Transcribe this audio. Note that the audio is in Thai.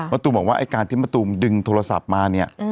ตูมบอกว่าไอ้การที่มะตูมดึงโทรศัพท์มาเนี่ย